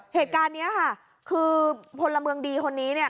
เหตุการณ์นี้ค่ะคือพลเมืองดีคนนี้เนี่ย